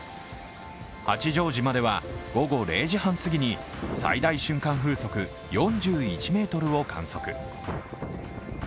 八丈島では午後０時半すぎに最大瞬間風速４１メートルを観測。